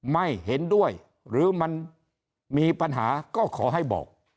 ไม่เห็นด้วยหรือมันมีปัญหาก็ขอให้บอก